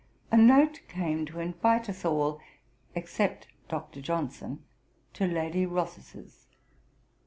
A note came to invite us all, except Dr. Johnson, to Lady Rothes's.'